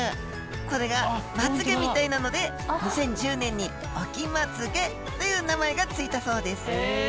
これがまつげみたいなので２０１０年に「オキマツゲ」という名前が付いたそうですへえ！